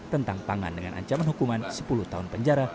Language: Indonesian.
tentang pangan dengan ancaman hukuman sepuluh tahun penjara